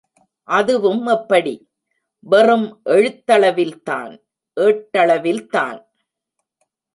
அதுவும் எப்படி? வெறும் எழுத்தளவில்தான், ஏட்டளவில்தான்!